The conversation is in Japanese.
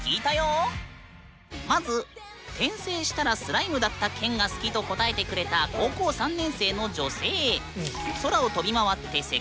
まず「転生したらスライムだった件」が好きと答えてくれた高校３年生の女性。